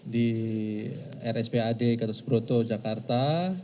di rspad ketus broto jakarta